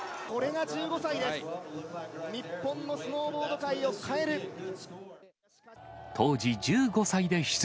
これが１５歳です。